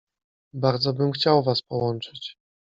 Bardzo bym chciał was połączyć.